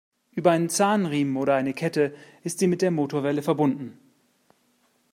Über einen Zahnriemen oder eine Kette ist sie mit der Motorwelle verbunden.